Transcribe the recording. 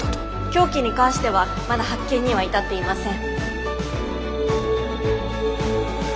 凶器に関してはまだ発見には至っていません。